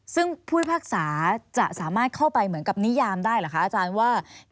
ซึ่งผู้พิพากษาจะสามารถเข้าไปเหมือนกับนิยามได้หรือคะอาจารย์ว่า